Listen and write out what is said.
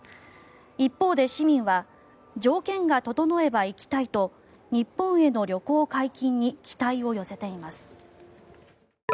一方で、市民は条件が整えば行きたいと日本への旅行解禁に期待を寄せています。